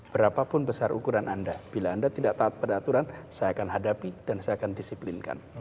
berapapun besar ukuran anda bila anda tidak taat pada aturan saya akan hadapi dan saya akan disiplinkan